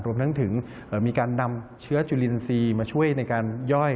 ทั้งถึงมีการนำเชื้อจุลินทรีย์มาช่วยในการย่อย